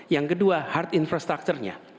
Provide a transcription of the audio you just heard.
yang kedua hard infrastructurnya